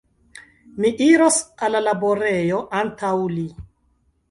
Mi iros al la laborejo antaŭ li.